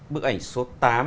bức ảnh số tám